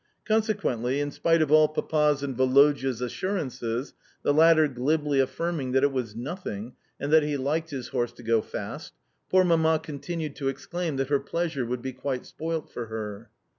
Consequently, in spite of all Papa's and Woloda's assurances (the latter glibly affirming that it was nothing, and that he liked his horse to go fast), poor Mamma continued to exclaim that her pleasure would be quite spoilt for her.